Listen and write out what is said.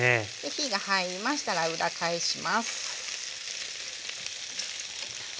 火が入りましたら裏返します。